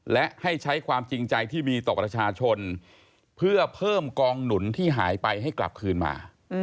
และให้ใช้ความจริงใจที่มีต่อประชาชนเพื่อเพิ่มกองหนุนที่หายไปให้กลับคืนมา